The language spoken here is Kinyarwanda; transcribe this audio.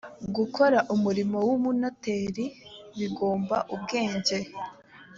gukora umurimo w ‘ubunoteri bigomba ubwenge.